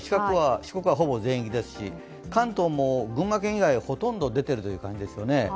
四国はほぼ全域ですし関東も群馬県以外、ほとんど出てる感じですよね。